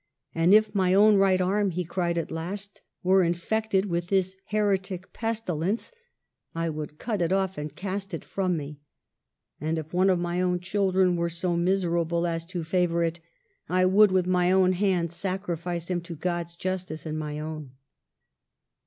" And if my own right arm," he cried at last, *' were infected with this heretic pestilence, I would cut it off and cast it from me ; and if one of my own children were so miserable as to favor it, I would with my own hand sacrifice him to God's justice and my own."